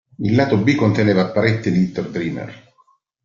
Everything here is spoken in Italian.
Il lato B conteneva "Pretty Little Dreamer".